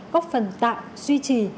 góp phần tạm duy trì